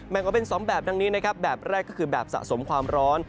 ออกเป็น๒แบบดังนี้นะครับแบบแรกก็คือแบบสะสมความร้อน